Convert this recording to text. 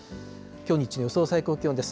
きょう日中の予想最高気温です。